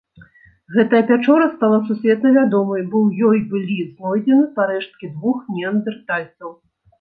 Гэтая пячора стала сусветна вядомай, бо ў ёй былі знойдзены парэшткі двух неандэртальцаў.